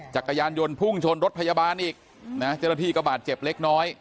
จักรยานยนต์พุ่งชนรถพยาบาลอีกนะเจ้าหน้าที่ก็บาดเจ็บเล็กน้อย